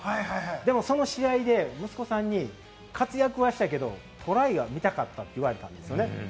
でも、その試合で息子さんに活躍はしたけれども、トライが見たかったと言われたんです。